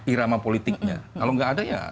irama politiknya kalau nggak ada ya